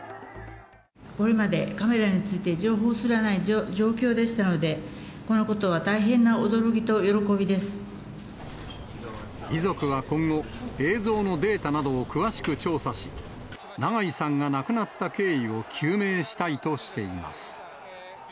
これまでカメラについて情報すらない状況でしたので、このこ遺族は今後、映像のデータなどを詳しく調査し、長井さんが亡くなった経緯を究明したいとしています。